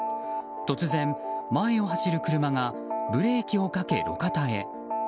突然、前を走る車がブレーキをかけ路肩へ。